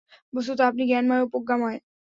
বস্তুত আপনি জ্ঞানময় ও প্রজ্ঞাময়।